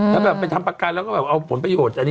เขาไปทำประกันแล้วก็เอาผลประโยชน์